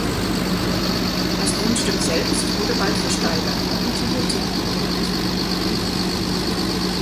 Das Grundstück selbst wurde bald versteigert und mit Hypotheken belegt.